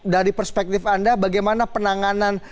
dari perspektif anda bagaimana penanganan